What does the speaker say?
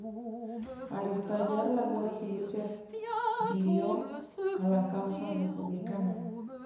Al estallar la guerra civil se adhirió a la causa republicana.